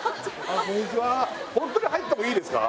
ホントに入ってもいいですか？